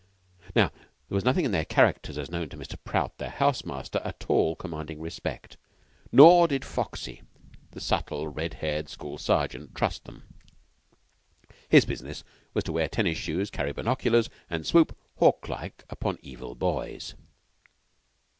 Now, there was nothing in their characters as known to Mr. Prout, their house master, at all commanding respect; nor did Foxy, the subtle red haired school Sergeant, trust them. His business was to wear tennis shoes, carry binoculars, and swoop hawklike upon evil boys.